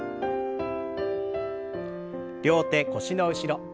両手腰の後ろ。